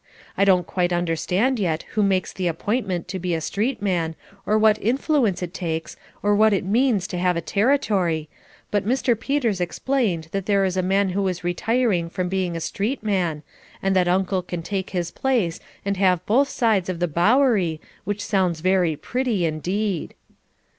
I don't quite understand yet who makes the appointment to be a street man or what influence it takes or what it means to have a territory, but Mr. Peters explained that there is a man who is retiring from being a street man and that Uncle can take his place and can have both sides of the Bowery, which sounds very pretty indeed.